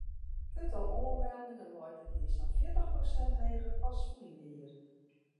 It tal oanmeldingen leit dit jier sa'n fjirtich prosint heger as ferline jier.